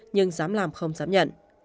nhưng dám làm không dám nhận